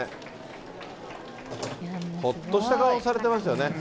ほっとした顔されてますよね。